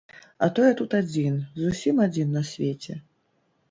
А то я тут адзін, зусім адзін на свеце.